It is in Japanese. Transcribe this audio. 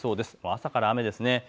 朝から雨ですね。